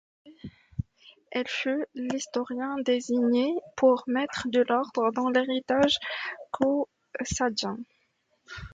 Il fut l'historien désigné pour mettre de l'ordre dans l'héritage caussadien.